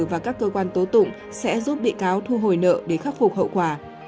và các cơ quan tố tụng sẽ giúp bị cáo thu hồi nợ để khắc phục hậu quả